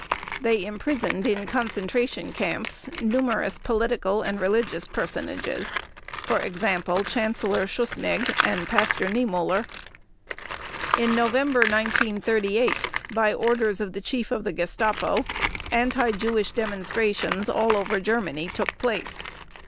They imprisoned in concentration camps numerous political and religious personages, for example Chancellor Schuschnigg and Pastor Niemöller. In November 1938, by orders of the Chief of the Gestapo, anti Jewish demonstrations all over Germany took place.